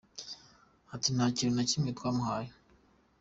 Ati “Nta kintu na kimwe twamuhaye….